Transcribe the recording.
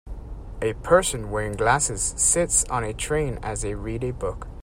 A person wearing glasses sits on a train as they read a book